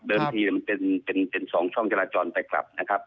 ทีมันเป็น๒ช่องจราจรไปกลับนะครับ